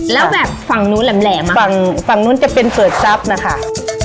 แล้วแบบฝั่งนู้นแหลมฝั่งนู้นจะเป็นเปิดทรัพย์นะคะ